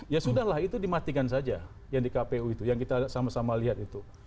ya sudah lah itu dimatikan saja yang di kpu itu yang kita sama sama lihat itu